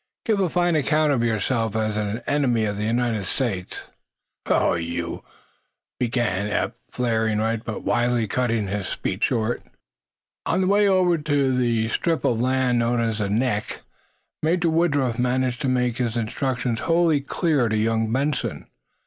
"Give a fine account of yourself as an enemy of the United States!" "Oh, you " began Eph, flaring red, but wisely cutting his speech short. On the way over to the strip of land known as the "neck" Major Woodruff managed to make his instructions wholly clear to young Benson.